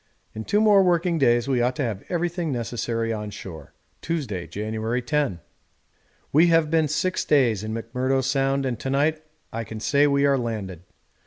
In two more working days we ought to have everything necessary on shore. Tuesday, January 10. We have been six days in McMurdo Sound and to night I can say we are landed.